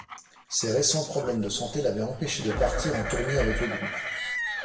Ses récents problèmes de santé l'avaient empêché de partir en tournée avec le groupe.